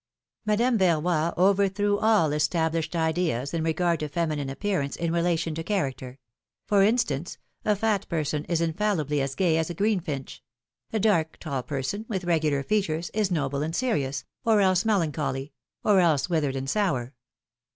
Madame Verroy overthrew all established ideas in regard to feminine appearance in relation to character : for instance, a fat person is infallibly as gay as a greenfinch ; a dark, tall person, with regular features, is noble and serious, or else melancholy — or else withered and sour.